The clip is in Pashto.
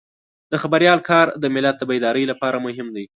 د خبریال کار د ملت د بیدارۍ لپاره مهم دی.